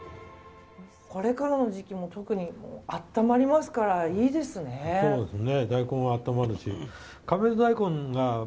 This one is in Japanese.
これからの時期も特に温まりますからいいですね。